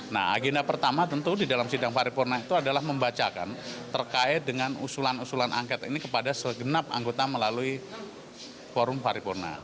nah agenda pertama tentu di dalam sidang paripurna itu adalah membacakan terkait dengan usulan usulan angket ini kepada segenap anggota melalui forum paripurna